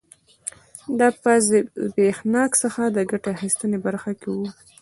دا په زبېښاک څخه د ګټې اخیستنې برخه کې و